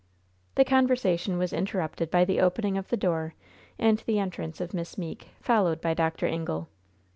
The conversation was interrupted by the opening of the door and the entrance of Miss Meeke, followed by Dr. Ingle.